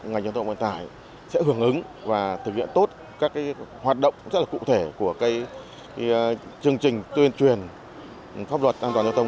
ngành giao thông vận tải sẽ hưởng ứng và thực hiện tốt các hoạt động rất là cụ thể của chương trình tuyên truyền pháp luật an toàn giao thông